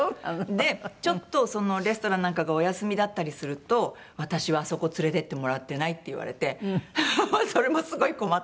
でちょっとレストランなんかがお休みだったりすると「私はあそこ連れていってもらってない」って言われてそれもすごい困ったって。